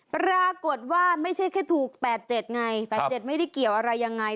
ปรากฏว่าไม่ใช่แค่ถูก๘๗ไง๘๗ไม่ได้เกี่ยวอะไรยังไง